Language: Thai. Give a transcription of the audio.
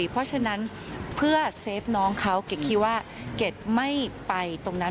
เพราะฉะนั้นเพื่อเซฟน้องเขาเกรดคิดว่าเกดไม่ไปตรงนั้น